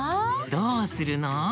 どうするの？